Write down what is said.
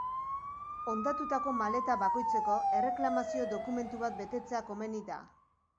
Hondatutako maleta bakoitzeko erreklamazio dokumentu bat betetzea komeni da.